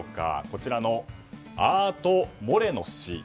こちらのアート・モレノ氏。